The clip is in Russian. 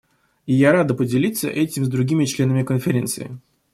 И я рада поделиться этим с другими членами Конференции.